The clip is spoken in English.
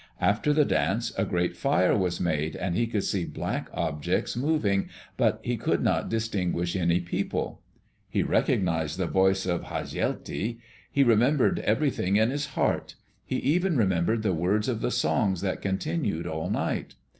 After the dance a great fire was made and he could see black objects moving, but he could not distinguish any people. He recognized the voice of Hasjelti. He remembered everything in his heart. He even remembered the words of the songs that continued all night.